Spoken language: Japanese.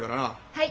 はい！